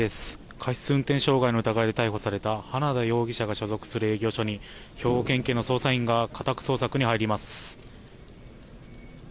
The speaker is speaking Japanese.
過失運転傷害の疑いで逮捕された花田容疑者が所属する営業所に兵庫県警の捜査員が家宅捜索に入ります。